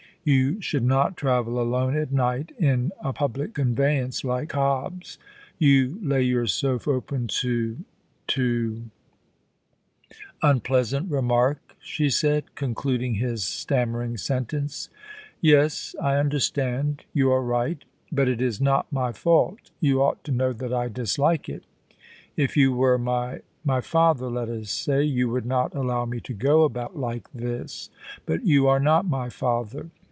You should not travel alone at night in a public conveyance like Cobb's. You lay yourself open to — to ' 'Unpleasant remark,' she said, concluding his stammering sentence. * Yes, I understand ; you are right : but it is not my fault — you ought to know that I dislike it If you were my — my father let us say — you would not allow me to go about like this. But you are not my father.